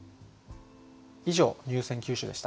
以上入選九首でした。